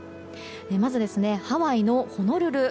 まず、ハワイのホノルル。